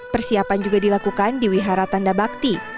persiapan juga dilakukan di wihara tanda bakti